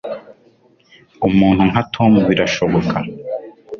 Umuntu nka Tom birashoboka